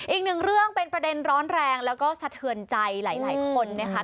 อีกหนึ่งเรื่องเป็นประเด็นร้อนแรงแล้วก็สะเทือนใจหลายคนนะคะ